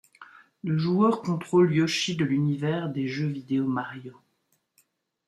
Le joueur contrôle Yoshi de l'univers des jeux vidéo Mario.